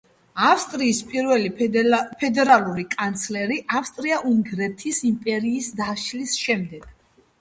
ავსტრიის პირველი ფედერალური კანცლერი ავსტრია-უნგრეთის იმპერიის დაშლის შემდეგ.